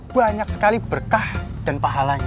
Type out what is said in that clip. banyak sekali berkah dan pahalanya